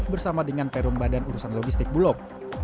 bersama dengan perum badan urusan logistik bulog